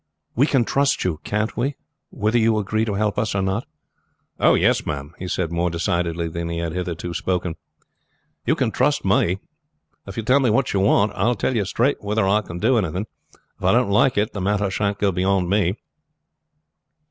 "We can trust you, can't we, whether you agree to help us or not?" "Yes, ma'am," he said more decidedly than he had hitherto spoken. "You can trust me. If you tell me what you want, I will tell you straight whether I can do anything. If I don't like it, the matter shan't go beyond me."